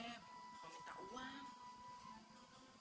ate mau minta uang